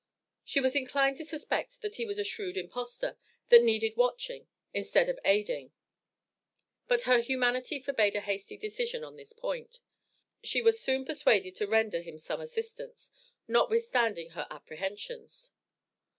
She was inclined to suspect that he was a "shrewd impostor" that needed "watching" instead of aiding. But her humanity forbade a hasty decision on this point. She was soon persuaded to render him some assistance, notwithstanding her apprehensions.